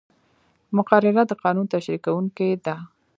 مقرره د قانون تشریح کوونکې ده.